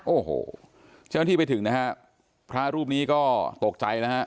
โอ้โหเจ้าหน้าที่ไปถึงนะฮะพระรูปนี้ก็ตกใจนะฮะ